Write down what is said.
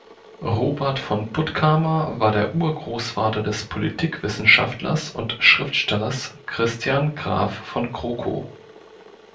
Robert von Puttkamer war der Urgroßvater des Politikwissenschaftlers und Schriftstellers Christian Graf von Krockow.